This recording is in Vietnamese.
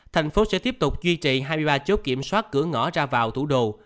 thành phố sẽ tiếp tục duy trì hai mươi ba chốt kiểm soát cửa ngõ ra vào thủ đô